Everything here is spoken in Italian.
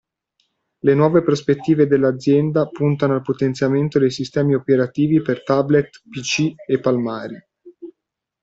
Le nuove prospettive dell'azienda puntano al potenziamento dei sistemi operativi per tablet pc e palmari.